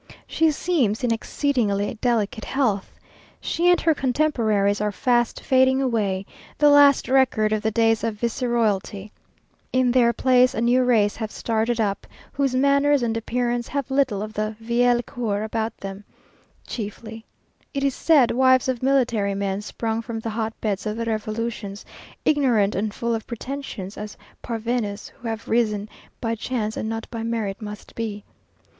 She seems in exceedingly delicate health. She and her contemporaries are fast fading away, the last record of the days of Viceroyalty. In their place a new race have started up, whose manners and appearance have little of the vieille cour about them; chiefly. It is said, wives of military men, sprung from the hotbeds of the revolutions, ignorant and full of pretensions, as parvenus who have risen by chance and not by merit must be.